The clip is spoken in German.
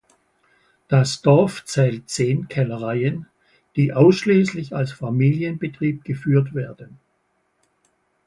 Das Dorf zählt zehn Kellereien, die ausschließlich als Familienbetriebe geführt werden.